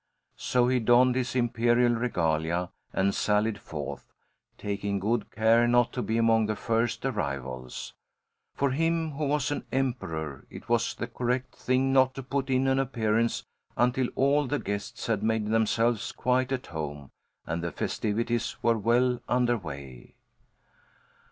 So he donned his imperial regalia and sallied forth, taking good care not to be among the first arrivals. For him who was an emperor it was the correct thing not to put in an appearance until all the guests had made themselves quite at home, and the festivities were well under way.